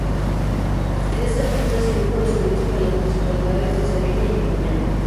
En este rol, recibió reconocimientos por las municipalidades de La Serena y Vicuña.